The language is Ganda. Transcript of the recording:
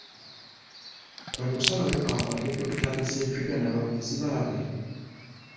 Kwe kusalawo akwate Dokitaali Zedriga n'abawagizi baabwe ?